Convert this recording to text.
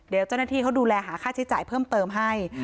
เดี๋ยวเจ้าหน้าที่เขาดูแลหาค่าใช้จ่ายเพิ่มเติมให้